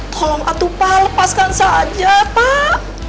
tolong atu pak lepaskan saja pak